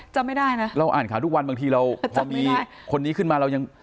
จำไม่ได้นะเราอ่านข่าวทุกวันบางทีเราพอมีคนนี้ขึ้นมาเรายัง